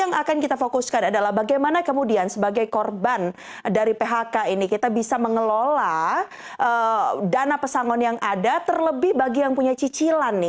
yang akan kita fokuskan adalah bagaimana kemudian sebagai korban dari phk ini kita bisa mengelola dana pesangon yang ada terlebih bagi yang punya cicilan nih